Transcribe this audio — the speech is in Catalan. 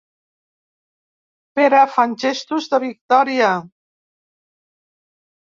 Pere fan gestos de victòria.